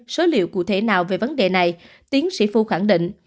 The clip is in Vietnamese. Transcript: số liệu cụ thể nào về vấn đề này tiến sĩ phu khẳng định